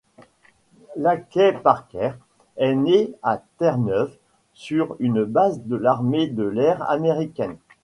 LaQuey Parker est née à Terre-Neuve sur une base de l'armée de l'air américaine.